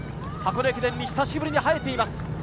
箱根駅伝に久しぶりに映えています。